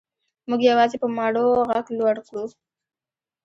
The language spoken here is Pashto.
موږ یوازې په مړو غږ لوړ کړو.